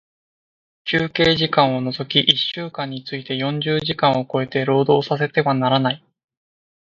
休憩時間を除き一週間について四十時間を超えて、労働させてはならない。